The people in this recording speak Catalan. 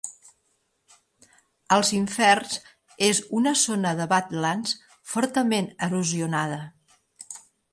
Els inferns és una zona de badlands fortament erosionada.